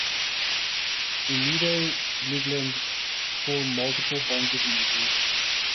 Imido ligands form multiple bond to the metal.